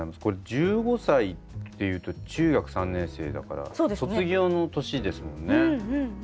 これ１５歳っていうと中学３年生だから卒業の年ですもんね。